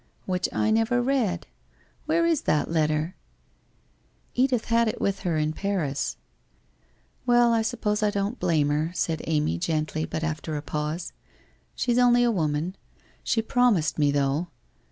* Which I never read. Where is that letter ?'' Edith had it with her in Paris/ ' Well, I suppose I don't blame her,' said Amy gently, but after a pause. ' She's only a woman. She promised me, though